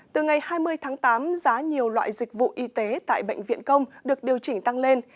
từ ngày hai mươi tháng tám giá nhiều loại dịch vụ y tế tại bệnh viện công được điều chỉnh tăng lên